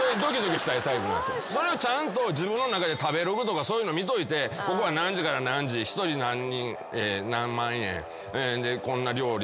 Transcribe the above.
それをちゃんと自分の中で食べログとか見といてここは何時から何時１人何万円こんな料理が出ます。